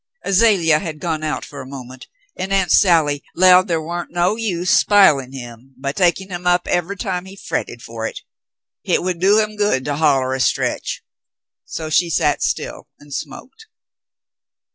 Azalea had gone out for a moment, and Aunt Sally " 'lowed the' wa'n't no use sp'ilin him by takin' him up every time he fretted fer hit. Hit would do him good to holler an' stretch." So she sat still and smoked.